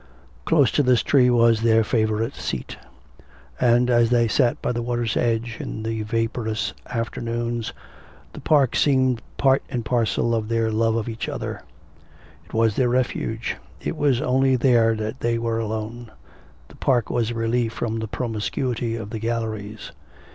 Close to this tree was their favourite seat. And, as they sat by the water's edge in the vaporous afternoons, the park seemed part and parcel of their love of each other; it was their refuge; it was only there that they were alone; the park was a relief from the promiscuity of the galleries.